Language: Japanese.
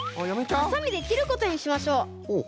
ハサミできることにしましょう。